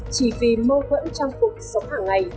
chỉ vì mâu thuẫn trong cuộc sống hàng ngày